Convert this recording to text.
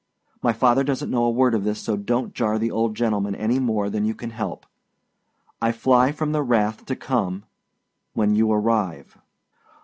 My father doesnât know a word of this, so donât jar the old gentleman any more than you can help. I fly from the wrath to come when you arrive!